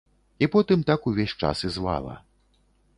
І потым так увесь час і звала.